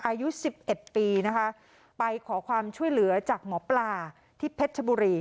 อายุสิบเอ็ดปีนะคะไปขอความช่วยเหลือจากหมอปลาที่เพชรชบุรี